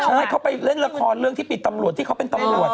ใช่เขาไปเล่นละครเรื่องที่มีตำรวจที่เขาเป็นตำรวจ